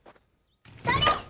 それ！